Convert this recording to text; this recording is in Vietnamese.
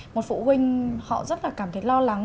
một phụ huynh họ rất là cảm thấy lo lắng